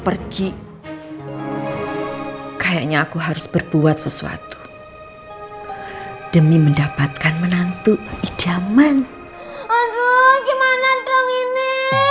pergi kayaknya aku harus berbuat sesuatu demi mendapatkan menantu zaman aduh gimana dong ini